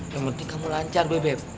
yang penting kamu lancar bebek